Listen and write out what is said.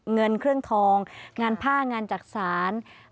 เงินเครื่องทองงานผ้างานจักษาน